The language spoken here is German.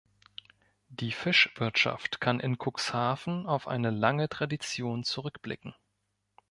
Die Fischwirtschaft kann in Cuxhaven auf eine lange Tradition zurückblicken.